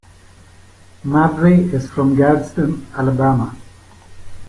Mabrey is from Gadsden, Alabama.